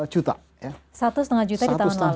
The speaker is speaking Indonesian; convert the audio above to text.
satu lima juta di tahun lalu